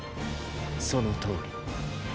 そのとおり。